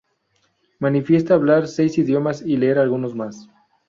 Manifiesta hablar seis idiomas y leer algunos más.